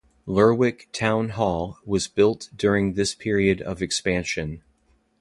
Lerwick Town Hall was built during this period of expansion.